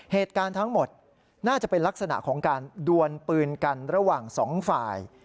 เหตุการณ์ทั้งหมดน่าจะเป็นลักษณะของการดวนปืนกันระหว่างสองฝ่าย